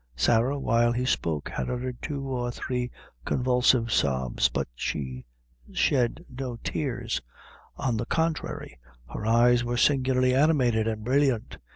Sarah, while he spoke, had uttered two or three convulsive sobs; but she shed no tears; on the contrary, her eyes were singularly animated and brilliant.